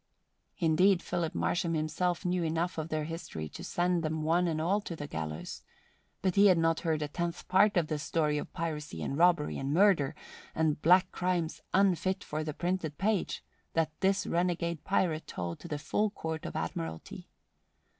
Indeed, Philip Marsham himself knew enough of their history to send them one and all to the gallows, but he had not heard a tenth part of the story of piracy and robbery and murder and black crimes unfit for the printed page that this renegade pirate told to the full Court of Admiralty.